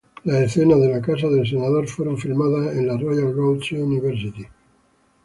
Las escenas de la casa del senador fueron filmadas en la Royal Roads University.